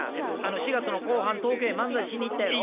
４月の後半東京へ漫才しに行ったやろ？